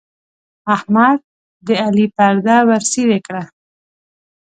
احمد د علي پرده ورڅيرې کړه.